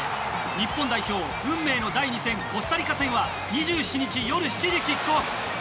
日本代表運命の第２戦コスタリカ戦は２７日、夜７時キックオフ。